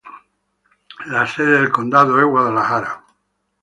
La sede del condado es Madison.